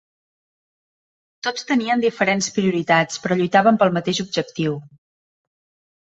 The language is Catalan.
Tots tenien diferents prioritats però lluitaven pel mateix objectiu.